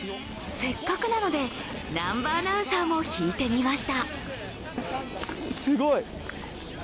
せっかくなので、南波アナウンサーも引いてみました。